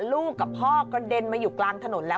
ลูกกับพ่อกระเด็นมาอยู่กลางถนนแล้ว